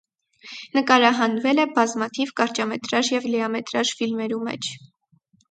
Նկարահանուեր է բազմաթիւ կարճամեթրաժ եւ լիամեթրաժ ֆիլմերու մէջ։